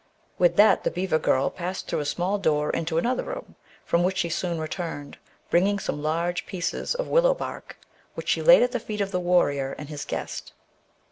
With that the beaver girl passed through a small door into another room, from which she soon returned, bringing some large pieces of willow bark, which she laid at the feet of the warrior and his guest.